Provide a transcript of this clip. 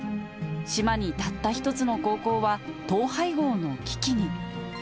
島にたった一つの高校は、統廃合の危機に。